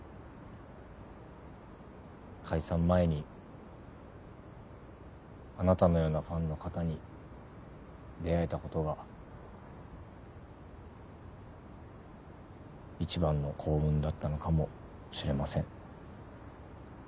解散前にあなたのようなファンの方に出会えたことが一番の幸運だったのかもしれません。